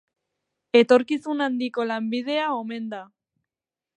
Etorkizun handiko lanbidea omen da.